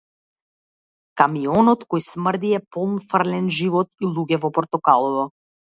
Камионот кој смрди е полн фрлен живот и луѓе во портокалово.